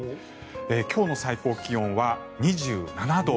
今日の最高気温は２７度。